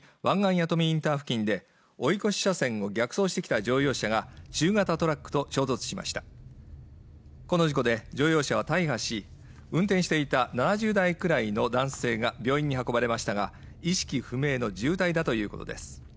弥富インター付近で追い越し車線を逆走してきた乗用車が中型トラックと衝突しましたこの事故で乗用車は大破し運転していた７０代くらいの男性が病院に運ばれましたが意識不明の重体だということです